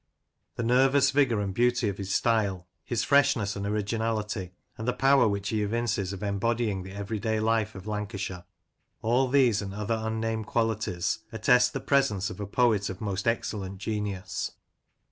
The nervous vigour and beauty of his style, his freshness and originality, and the power which he evinces of embodying the every day life of Lancashire — all these and other unnamed qualities, attest the presence of a poet of most excellent genius.